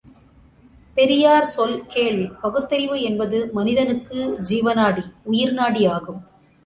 பெரியார் சொல் கேள் பகுத்தறிவு என்பது மனிதனுக்கு ஜீவநாடி உயிர்நாடி ஆகும்.